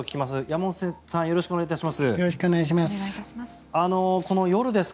山本さんよろしくお願いします。